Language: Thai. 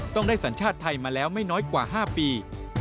ต้องได้สัญชาติไทยมาแล้วไม่น้อยกว่า๕ปี